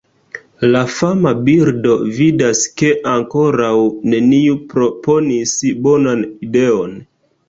La fama birdo vidas ke ankoraŭ neniu proponis bonan ideon.